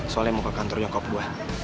soalnya mau ke kantor nyokap gue